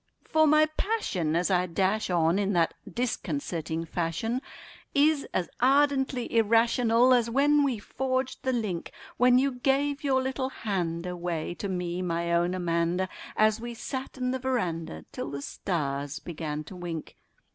For my passion as I dash on in that disconcerting fashion Is as ardently irrational as when we forged the link When you gave your little hand away to me, my own Amanda An we sat 'n the veranda till the stars began to wink.